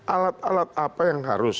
alat alat apa yang harus